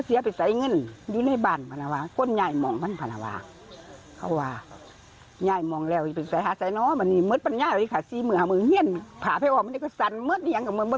แสนกว่าบาทนะครับ